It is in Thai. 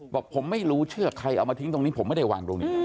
บอกผมไม่รู้เชือกใครเอามาทิ้งตรงนี้ผมไม่ได้วางตรงนี้